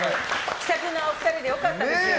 気さくなお二人で良かったです。